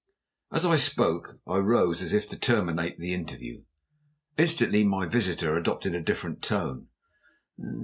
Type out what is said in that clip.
As I spoke, I rose as if to terminate the interview. Instantly my visitor adopted a different tone.